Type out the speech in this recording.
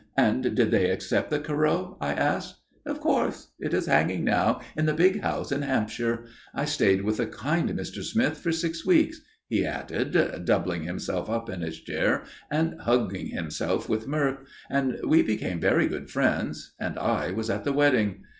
"And did they accept the Corot?" I asked. "Of course. It is hanging now in the big house in Hampshire. I stayed with the kind Mr. Smith for six weeks," he added, doubling himself up in his chair and hugging himself with mirth, "and we became very good friends. And I was at the wedding."